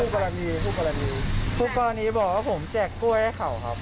กรณีผู้กรณีผู้กรณีบอกว่าผมแจกกล้วยให้เขาครับ